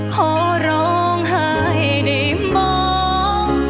ขอร้องให้ได้มอง